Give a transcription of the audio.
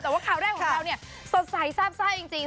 แต่ว่าข่าวแรกของเราเนี่ยสดใสทราบทราบจ้าจริงจริง